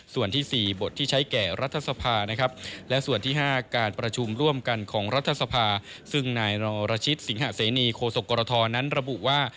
สิงหาเสนีโคศกกรทนั้นระบุว่า